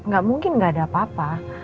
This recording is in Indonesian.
gak mungkin nggak ada apa apa